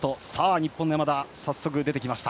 日本の山田、早速出てきました。